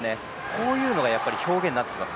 こういうのが、やっぱり表現になってます。